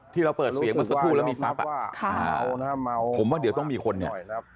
ที่เราเปิดเสียงเมื่อสักครู่แล้วมีทรัพย์ผมว่าเดี๋ยวต้องมีคนเนี่ย